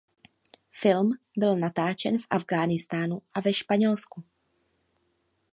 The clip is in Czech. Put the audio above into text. Film byl natáčen v Afghánistánu a ve Španělsku.